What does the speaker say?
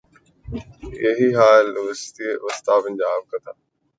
یہی حال وسطی پنجاب کا تھا۔